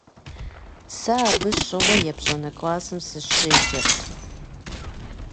Сэ абы щыгъуэ епщӏанэ классым сыщеджэрт.